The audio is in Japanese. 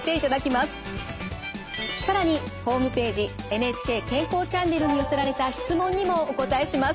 「ＮＨＫ健康チャンネル」に寄せられた質問にもお答えします。